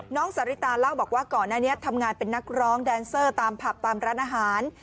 สาริตาเล่าบอกว่าก่อนหน้านี้ทำงานเป็นนักร้องแดนเซอร์ตามผับตามร้านอาหาร